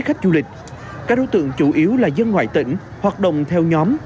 các đối tượng chủ yếu là dân ngoại tỉnh hoạt động theo nhóm